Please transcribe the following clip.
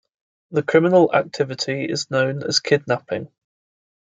The criminal activity is known as kidnapping.